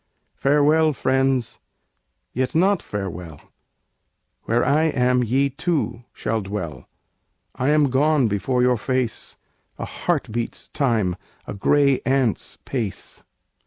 Farewell, friends! Yet not farewell; Where I am, ye, too, shall dwell. I am gone before your face A heart beat's time, a gray ant's pace.